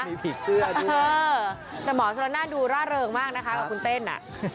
มีผีเสื้อด้วยเออแต่หมอชนละนานดูร่าเริงมากนะคะกับคุณเต้นอ่ะ